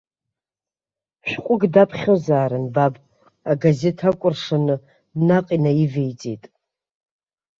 Шәҟәык даԥхьозаарын баб, агазеҭ акәыршаны, наҟ инаивеиҵеит.